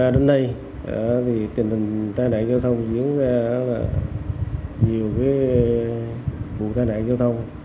hai nghìn một mươi ba đến nay tình hình tai nạn giao thông diễn ra nhiều bụi tai nạn giao thông